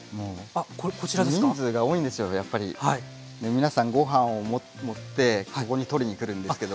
皆さんごはんを盛ってここに取りにくるんですけども。